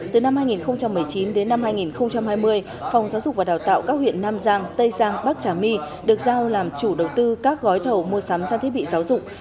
từ năm hai nghìn một mươi chín đến năm hai nghìn hai mươi phòng giáo dục và đào tạo các huyện nam giang tây giang bắc trà my được giao làm chủ đầu tư các gói thầu mua sắm trang thiết bị giáo dục